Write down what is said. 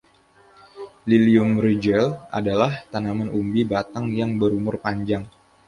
"Lilium regale" adalah tanaman umbi batang yang berumur panjang.